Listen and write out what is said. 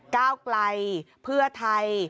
ก้าวไกลเพื่อไทย